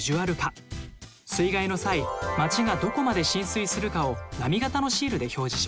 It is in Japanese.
水害の際街がどこまで浸水するかを波形のシールで表示します。